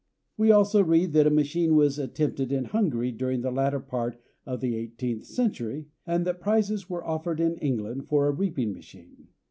We also read that a machine was attempted in Hungary during the latter part of the eighteenth century, and that prizes were offered in England for a reaping machine.